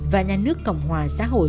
và nhà nước cộng hòa xã hội